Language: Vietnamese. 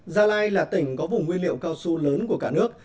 gia lai là tỉnh có vùng nguyên liệu cao su lớn của cả nước